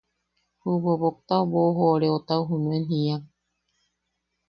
Ju boboktau boʼojoreotau junen jiak: